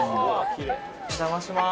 お邪魔します。